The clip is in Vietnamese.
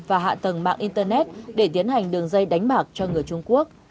và hạ tầng mạng internet để tiến hành đường dây đánh bạc cho người trung quốc